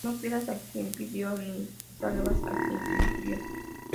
No pidas a quien pidió ni sirvas a quien sirvió